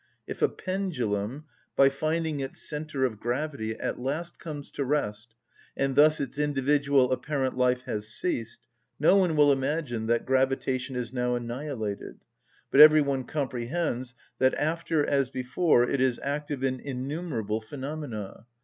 If a pendulum, by finding its centre of gravity, at last comes to rest, and thus its individual apparent life has ceased, no one will imagine that gravitation is now annihilated; but every one comprehends that, after as before, it is active in innumerable phenomena.